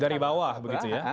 dari bawah begitu ya